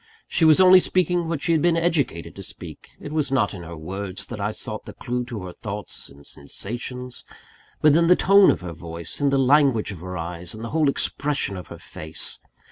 She was only speaking what she had been educated to speak; it was not in her words that I sought the clue to her thoughts and sensations; but in the tone of her voice, in the language of her eyes, in the whole expression of her face.